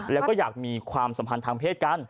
แล้วก็อยากมีความสัมพันธ์ทางเพศกัน